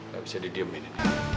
gak bisa didiemin ini